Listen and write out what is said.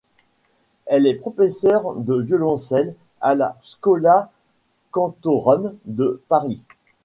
Elle est professeur de violoncelle à la Schola Cantorum de Paris.